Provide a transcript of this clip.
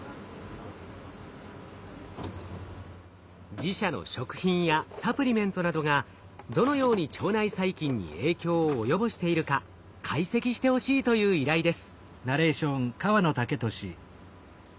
自社の食品やサプリメントなどがどのように腸内細菌に影響を及ぼしているか解析してほしいという依頼です。